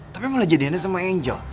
tapi malah jadiannya sama angel